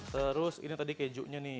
terus ini tadi kejunya nih